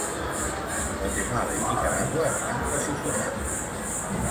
Guatemala i Nicaragua es van classificar.